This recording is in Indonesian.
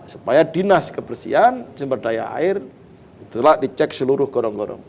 supaya dinas kebersihan sumber daya air itulah dicek seluruh gorong gorong